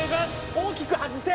大きく外せ！